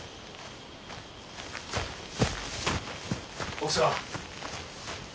奥さん。